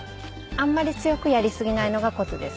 あんまり強くやり過ぎないのがコツです。